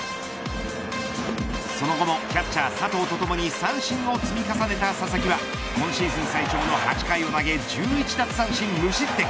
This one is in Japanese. その後も、キャッチャー佐藤とともに三振を積み重ねた佐々木は今シーズン最長の８回を投げ１１奪三振無失点。